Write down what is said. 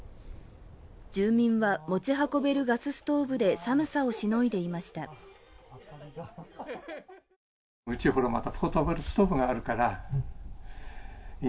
住民は持ち運べるガスストーブで寒さをしのいでいました。